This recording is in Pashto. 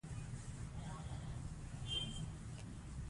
اداري اقدام باید متناسب وي.